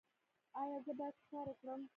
ایا زه باید ښکار وکړم؟